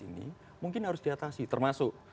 ini mungkin harus diatasi termasuk